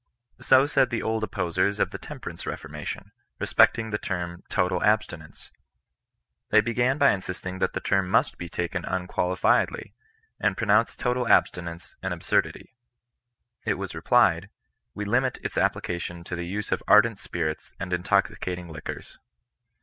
So said the old opposers of the Temperance Reformation, respecting the term " total abstifience," They began by insisting that the term irntst be taken imqualifiedly, and pro nounced total abstinence an absurdity. It was replied —" we limit its application to the use of ardent spirits and intoxicating liquors."